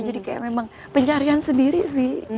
jadi kayak memang pencarian sendiri sih